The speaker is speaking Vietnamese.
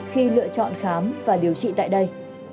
khi lựa chọn khám và điều trị tại đây